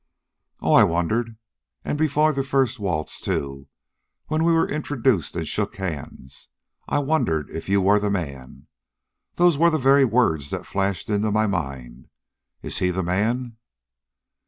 "Oh, I wondered, and before the first waltz, too, when we were introduced and shook hands I wondered if you were the man. Those were the very words that flashed into my mind. IS HE THE MAN?"